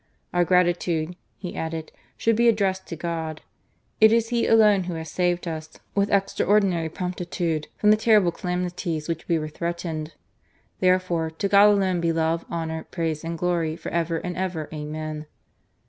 " Our gratitude," he added " should be addressed to God. It is He alone Who has saved us, with extraordinary promptitude, from the terrible calamities with which we were threat ened. Therefore, to God alone be love, honour, praise and glory, for ever and ever. Amen."